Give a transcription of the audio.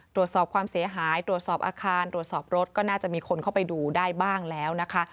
ตรวจสอบความเสียหายตรวจสอบอาคารตรวจสอบรถก็น่าจะมีคนเข้าไปดูได้บ้างแล้วนะคะ